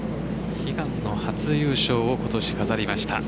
悲願の初優勝を今年飾りました。